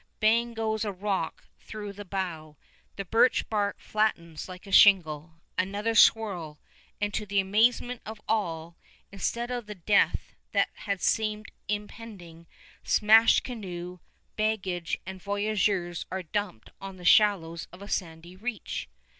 Bang goes a rock through the bow. The birch bark flattens like a shingle. Another swirl, and, to the amazement of all, instead of the death that had seemed impending, smashed canoe, baggage, and voyageurs are dumped on the shallows of a sandy reach.